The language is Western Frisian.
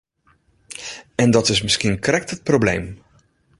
En dat is miskien krekt it probleem.